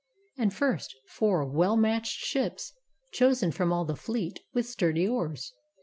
And first, four well matched ships Chosen from all the fleet, with sturdy oars.